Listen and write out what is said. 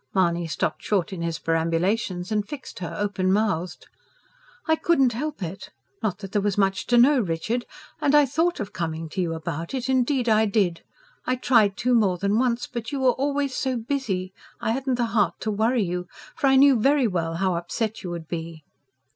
Mahony stopped short in his perambulations and fixed her, open mouthed. "I couldn't help it. Not that there was much to know, Richard. And I thought of coming to you about it indeed I did. I tried to, more than once. But you were always so busy; I hadn't the heart to worry you. For I knew very well how upset you would be."